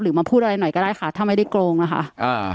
มาพูดอะไรหน่อยก็ได้ค่ะถ้าไม่ได้โกงนะคะอ่า